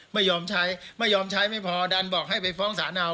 ไม่ยอมใช้ไม่ยอมใช้ไม่พอดันบอกให้ไปฟ้องสารเอา